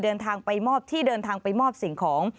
เดินทางไปมอบที่เดินทางไปมอบสิ่งของ